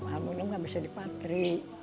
aluminium nggak bisa dipatri